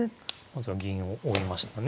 まずは銀を追いましたね。